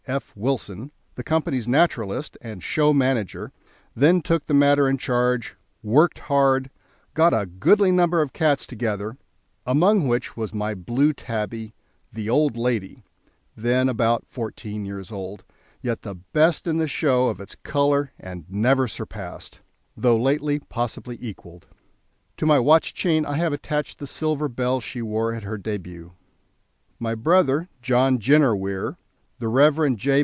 F. Wilson, the Company's naturalist and show manager, then took the matter in charge, worked hard, got a goodly number of cats together, among which was my blue tabby, "The Old Lady," then about fourteen years old, yet the best in the show of its colour and never surpassed, though lately possibly equalled. To my watch chain I have attached the silver bell she wore at her début. My brother, John Jenner Weir, the Rev. J.